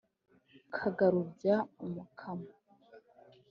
kagarubya umukamo